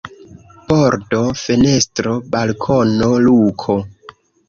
Pordo, fenestro, balkono, luko.